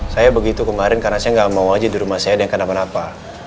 saya begitu kemarin karena saya nggak mau aja di rumah saya ada yang kenapa napa